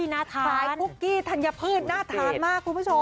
น่าทานคลุกกี้ธัญพืชน่าทานมากคุณผู้ชม